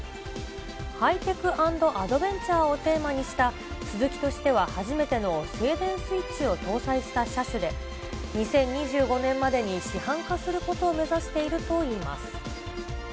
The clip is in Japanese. ハイテク＆アドベンチャーをテーマにしたスズキとしては初めての静電スイッチを搭載した車種で、２０２５年までに市販化することを目指しているということです。